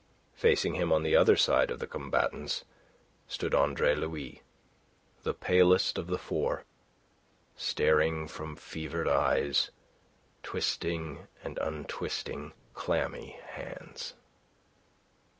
Facing him on the other side of the combatants stood Andre Louis, the palest of the four, staring from fevered eyes, twisting and untwisting clammy hands.